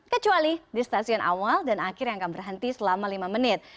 kecuali di stasiun awal dan akhir yang akan berhenti selama lima menit